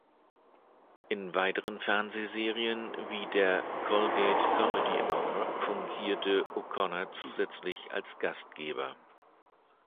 In weiteren Fernsehserien wie der "Colgate Comedy Hour" fungierte O’Connor zusätzlich als Gastgeber.